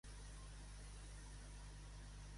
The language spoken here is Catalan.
Semblant a mareperla.